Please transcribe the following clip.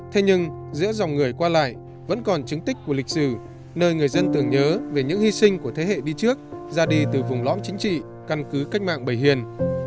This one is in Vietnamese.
thế nhưng giữa dòng người qua lại vẫn còn chứng tích của lịch sử nơi người dân tưởng nhớ về những hy sinh của thế hệ đi trước ra đi từ vùng lõm chính trị căn cứ cách mạng bảy hiền